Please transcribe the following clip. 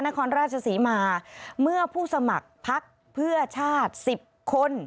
นครราชศรีมาเมื่อผู้สมัครพักเพื่อชาติ๑๐คน